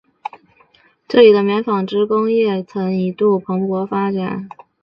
这里的棉纺织工业曾一度蓬勃发展。